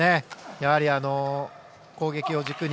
やはり、攻撃を軸に。